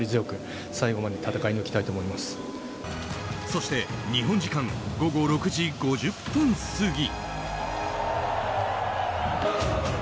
そして、日本時間午後６時５０分過ぎ。